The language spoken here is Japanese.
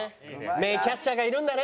名キャッチャーがいるんだね。